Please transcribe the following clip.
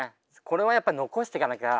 これはやっぱ残してかなきゃ。